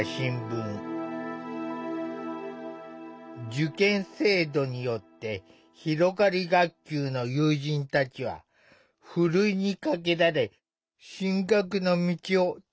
受験制度によってひろがり学級の友人たちはふるいにかけられ進学の道をたたれてしまう。